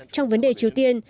trong vấn đề triều tiên